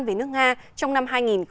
với nước nga trong năm hai nghìn hai mươi